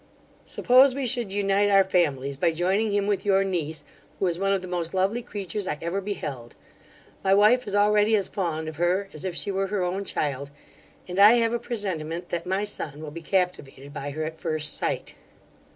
Suppose we should unite our families by joining him with your niece, who is one of the most lovely creatures I ever beheld. My wife is already as fond of her as if she were her own child, and I have a presentiment that my son will be captivated by her at first sight.